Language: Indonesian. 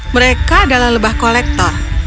mereka adalah lebah kolektor